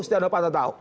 setiap novanto tahu